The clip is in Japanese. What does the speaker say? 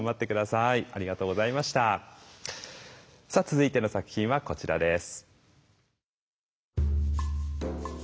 さあ続いての作品はこちらです。